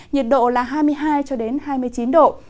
nhiệt độ là hai mươi hai hai mươi chín độ